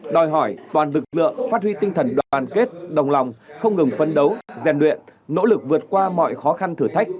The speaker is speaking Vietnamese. đòi hỏi toàn lực lượng phát huy tinh thần đoàn kết đồng lòng không ngừng phấn đấu gian luyện nỗ lực vượt qua mọi khó khăn thử thách